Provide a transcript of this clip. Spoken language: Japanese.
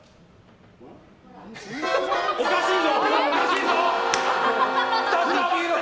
おかしいぞ！